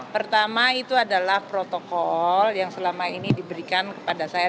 pertama itu adalah protokol yang selama ini diberikan kepada saya